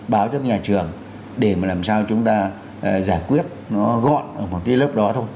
báo cho nhà trường để mà làm sao chúng ta giải quyết nó gọn ở một cái lớp đó thôi